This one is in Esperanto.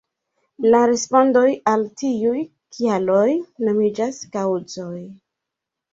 La respondoj al tiuj kialoj nomiĝas “kaŭzoj”.